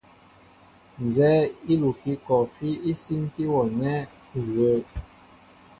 Nzɛ́ɛ́ íkukí kɔɔfí í sínti wɔ nɛ́ u wə̄ə̄.